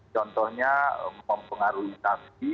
contohnya mempengaruhi taksi